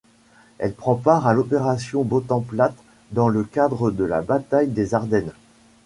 Elle prend part à l'Opération Bodenplatte dans le cadre de la bataille des Ardennes.